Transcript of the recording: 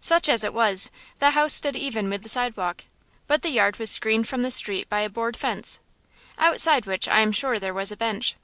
Such as it was, the house stood even with the sidewalk, but the yard was screened from the street by a board fence, outside which I am sure there was a bench.